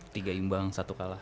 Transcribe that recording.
tiga imbang satu kalah